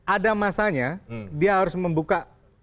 ada masanya dia harus membuka